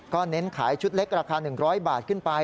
เน้นขายชุดเล็กราคา๑๐๐บาทขึ้นไป